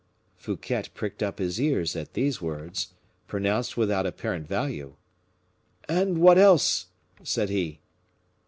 Fouquet pricked up his ears at these words, pronounced without apparent value. "And what else?" said he.